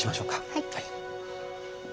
はい。